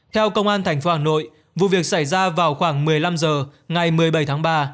theo công an tp hà nội vụ việc xảy ra vào khoảng một mươi năm h ngày một mươi bảy tháng ba